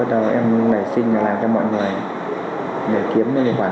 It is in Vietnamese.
tài liệu liên quan